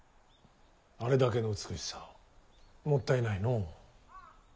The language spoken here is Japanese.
あれだけの美しさもったいないのう。